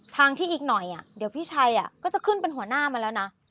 ทางที่อีกหน่อยเดี๋ยวพี่ชัยก็จะขึ้นเป็นหัวหน้ามาแล้วนะ